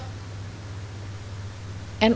nu itu tidak terkenal